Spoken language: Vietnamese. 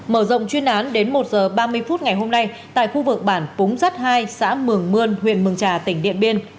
mở rộng chuyên án đến một h ba mươi phút ngày hôm nay tại khu vực bản púng rắt hai xã mường mươn huyện mường trà tỉnh điện biên